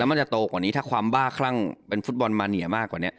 มันจะโตกว่านี้ถ้าความบ้าคลั่งเป็นฟุตบอลมาเนียมากกว่านี้